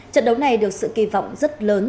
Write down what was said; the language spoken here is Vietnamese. trận đấu này được sự kỳ vọng rất lớn